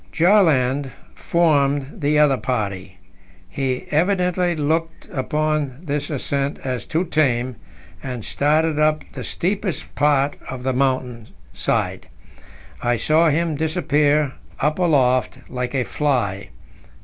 Bjaaland formed the other party. He evidently looked upon this ascent as too tame, and started up the steepest part of the mountain side. I saw him disappear up aloft like a fly.